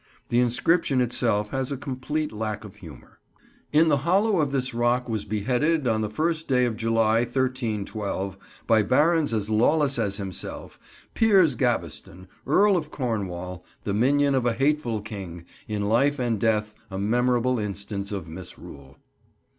The inscription itself has a complete lack of humour— "In the hollow of this rock was beheaded, on the first day of July, 1312, by barons as lawless as himself, Piers Gaveston, Earl of Cornwall, the minion of a hateful king, in life and death a memorable instance of misrule."